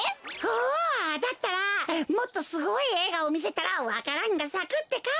おおだったらもっとすごいえいがをみせたらわか蘭がさくってか。